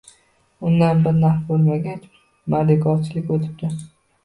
Undan bir naf bo‘lmag‘ach, mardikorchilikka o‘tibdi